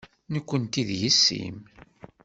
Nekkenti d yessi-m.